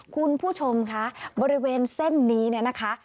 คุณผู้ชมคะบริเวณเส้นนี้เนี่ยนะคะ